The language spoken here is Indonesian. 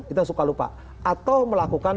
kita suka lupa atau melakukan